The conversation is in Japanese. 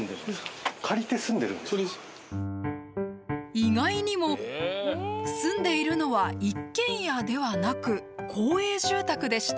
意外にも住んでいるのは一軒家ではなく公営住宅でした。